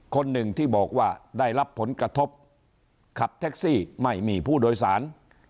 คนหนึ่งที่บอกว่าได้รับผลกระทบขับแท็กซี่ไม่มีผู้โดยสาร